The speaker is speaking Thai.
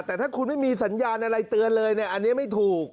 แต่ถ้าคุณไม่มีสัญญาณอะไรเตือนเลยเนี่ยอันนี้ไม่ถูก